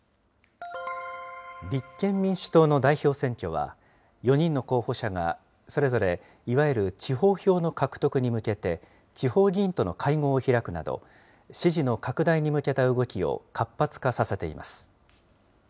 立憲民主党の代表選挙は、４人の候補者が、それぞれいわゆる地方票の獲得に向けて、地方議員との会合を開くなど、支持の拡大に向けた動きを活発化させています。